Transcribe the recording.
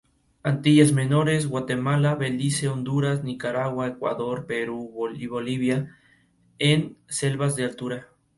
Antillas Menores, Guatemala, Belice, Honduras, Nicaragua, Ecuador, Perú y Bolivia, en selvas de altura.